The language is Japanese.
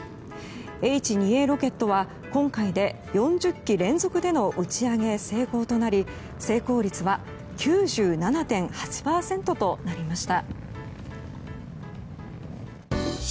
Ｈ２Ａロケットは今回で、４０機連続での打ち上げ成功となり成功率は９７．８％となりました。